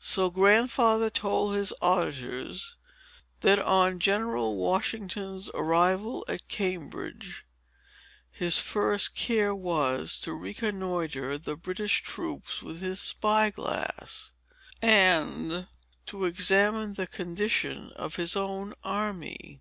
So Grandfather told his auditors, that, on General Washington's arrival at Cambridge, his first care was, to reconnoitre the British troops with his spy glass, and to examine the condition of his own army.